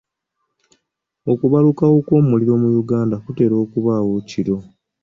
Okubalukawo kw'omuliro mu Uganda kutera kubaawo kiro.